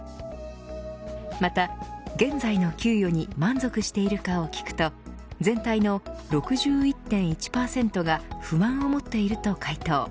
また、現在の給与に満足しているかを聞くと全体の６１．１％が不満を持っていると回答。